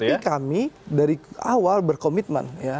tapi kami dari awal berkomitmen ya